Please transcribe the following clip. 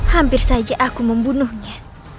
hampir saja aku membunuhnya